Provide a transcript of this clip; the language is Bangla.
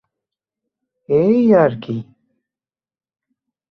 এই আর কি।